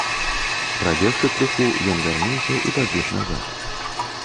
Прабегшы крыху, ён вярнуўся і пабег назад.